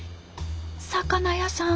魚屋さん？